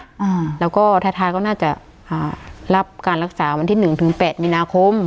อ่าแล้วก็ท้ายท้ายก็น่าจะอ่ารับการรักษาวันที่หนึ่งถึงแปดมีนาคม